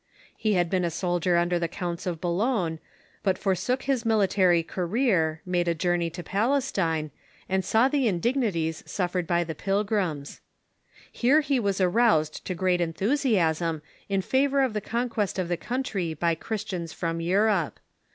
He had been a soldier under the counts of Boulogne, but forsook his military career, made a journey to Palestine, and saw the indignities suffered by the pilgrims. THE CRUSADES : A.D. 1096 1270 169 Here he was aroused to great enthusiasm in favor of the con quest of the country by Christians from Europe.